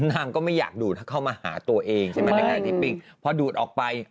นางก็ไม่อยากดูดมาช่วยดูดตัวเอง